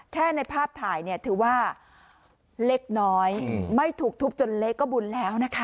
ในภาพถ่ายเนี่ยถือว่าเล็กน้อยไม่ถูกทุบจนเละก็บุญแล้วนะคะ